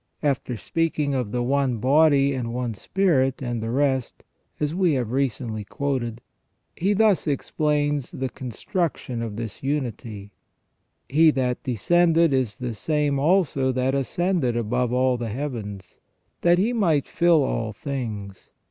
After speaking of the " one body and one spirit," and the rest, as we have recently quoted, he thus explains the construction of this unity :" He that descended is the same also that ascended above all the heavens, that He might fill all things.